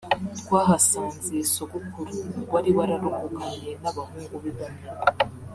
twahasanze Sogokuru wari wararokokanye n’abahungu be bane